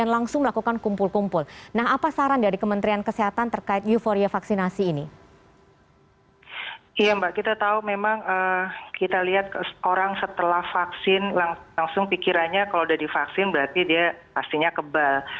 langsung pikirannya kalau udah divaksin berarti dia pastinya kebal